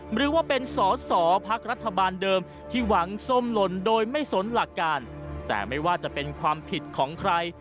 หรือว่าเป็นสอสอพักรัฐบาลเดิมที่หวังส้มหล่นโดยไม่สนหลักการแต่ไม่ว่าจะเป็นความผิดของใคร